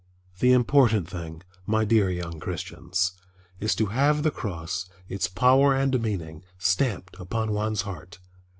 The important thing, my dear young Christians, is to have the cross, its power and meaning, stamped upon one's heart.